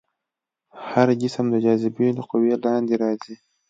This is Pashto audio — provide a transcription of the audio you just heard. هر جسم د جاذبې له قوې لاندې راځي.